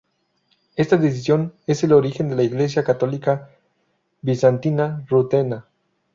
Esta decisión es el origen de la Iglesia católica bizantina rutena.